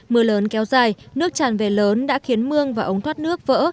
mưa lớn kéo dài nước tràn về lớn đã khiến mương và ống thoát nước vỡ